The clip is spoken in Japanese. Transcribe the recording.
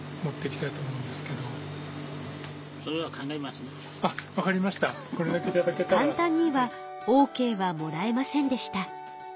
かん単にはオーケーはもらえませんでした。